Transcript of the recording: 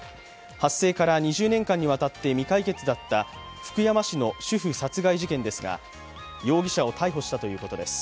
発生から２０年間にわたって未解決だった福山市の主婦殺害事件ですが容疑者を逮捕したということです。